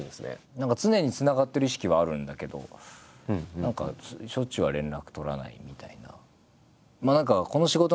何か常につながってる意識はあるんだけど何かしょっちゅうは連絡取らないみたいな。